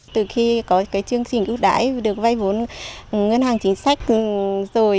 từ khi có chương trình ước đái được vay vốn ngân hàng chính sách rồi